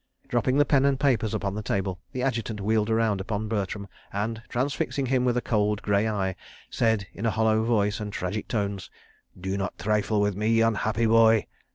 Dropping the pen and papers upon the table, the Adjutant wheeled round upon Bertram, and, transfixing him with a cold grey eye, said, in hollow voice and tragic tones: "Do not trifle with me, Unhappy Boy!